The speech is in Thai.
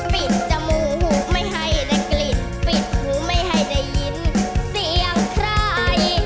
จมูกไม่ให้ได้กลิ่นปิดหูไม่ให้ได้ยินเสียงใคร